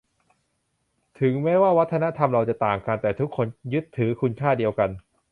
ถึงแม้ว่าวัฒนธรรมเราจะต่างกัน แต่ทุกคนยึดถือคุณค่าเดียวกัน